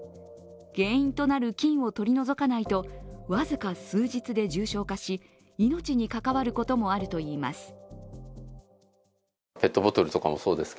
原因となる菌を取り除かないと、僅か数日で重症化し、命に関わることもあるといいます。